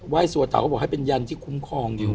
ไหว้สวทาวเขาบอกให้เป็นยันที่คุ้มครองอยู่